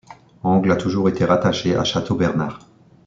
Angles a toujours été rattachée à Châteaubernard.